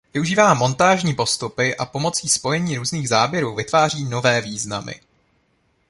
Využívá montážní postupy a pomocí spojení různých záběrů vytváří nové významy.